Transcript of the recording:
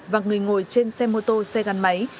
và người ngồi trên xe mô tô xe gắn máy